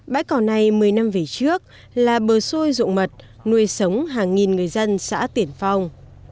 bãi cỏ này một mươi năm về trước là bờ sôi dụng mật nuôi sống hàng nghìn người dân xã tiển phong